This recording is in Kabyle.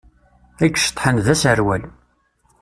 I iceṭṭḥen d aserwal.